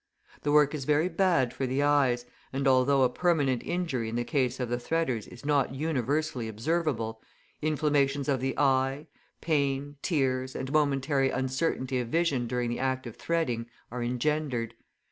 The work is very bad for the eyes, and although a permanent injury in the case of the threaders is not universally observable, inflammations of the eye, pain, tears, and momentary uncertainty of vision during the act of threading are engendered.